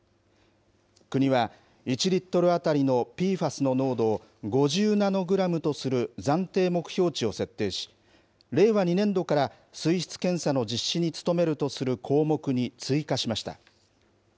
国は、１リットル当たりのＰＦＡＳの濃度を５０ナノグラムとする暫定目標値を設定し、令和２年度から水質検査の実施に努めるとする項目に追加しました。